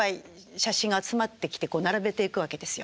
写真が集まってきて並べていくわけですよ。